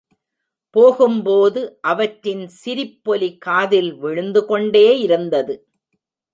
போகும்போது, அவற்றின் சிரிப்பொலி காதில் விழுந்து கொண்டேயிருந்தது.